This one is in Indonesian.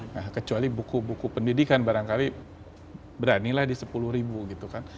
nah kecuali buku buku pendidikan barangkali beranilah di sepuluh ribu gitu kan